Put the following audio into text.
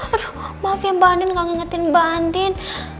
aduh maaf ya mbak andin gak ngingetin mbak andin